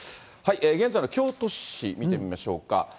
現在の京都市、見てみましょうか。